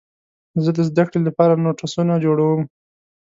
زه د زدهکړې لپاره نوټسونه جوړوم.